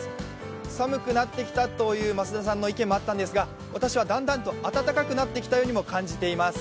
寒くなってきたという増田さんの意見もあったんですが私はだんだんと暖かくなってきたように感じています。